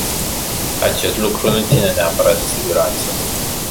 Acest lucru nu ține neapărat de siguranță.